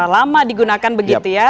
lama digunakan begitu ya